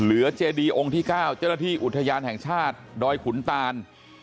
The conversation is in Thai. เจดีองค์ที่๙เจ้าหน้าที่อุทยานแห่งชาติดอยขุนตาน